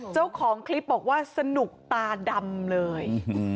เจ้าของคลิปบอกว่าสนุกตาดำเลย